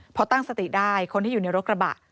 พอตั้งสติได้คนที่อยู่ในรถกระบะ